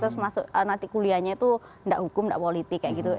terus nanti kuliahnya itu gak hukum gak politik kayak gitu